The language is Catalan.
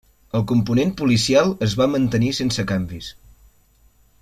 El component policial es va mantenir sense canvis.